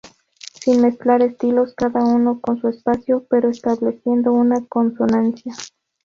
Sin mezclar estilos, cada uno con su espacio pero estableciendo una consonancia.